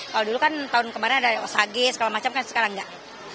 kalau dulu kan tahun kemarin ada osagi segala macam kan sekarang enggak